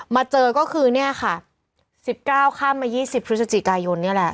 มาเจอก็คือเนี่ยค่ะสิบเก้าข้ามมายี่สิบพฤศจิกายนเนี่ยแหละ